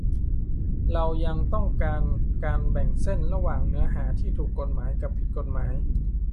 เรายังต้องการการแบ่งเส้นระหว่างเนื้อหาที่ถูกกฎหมาย กับผิดกฎหมาย